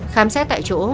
khám xét tại chỗ